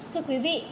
thưa quý vị